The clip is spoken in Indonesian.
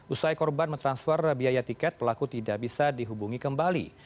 usai korban mentransfer biaya tiket pelaku tidak bisa dihubungi kembali